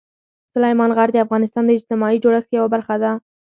سلیمان غر د افغانستان د اجتماعي جوړښت یوه برخه ده.